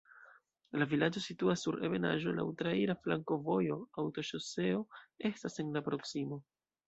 La vilaĝo situas sur ebenaĵo, laŭ traira flankovojo, aŭtoŝoseo estas en la proksimo.